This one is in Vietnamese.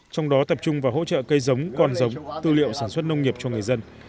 trong đó tập trung vào hỗ trợ cây giống con giống tư liệu sản xuất nông nghiệp cho người dân